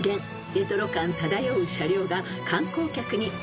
［レトロ感漂う車両が観光客に大人気です］